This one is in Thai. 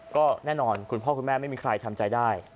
ก็แน่นอนคุณผู้ชมไม่มีใครทำใจได้